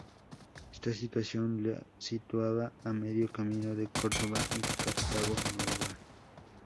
Esta situación la situaba a medio camino de Corduba y Cartago Nova.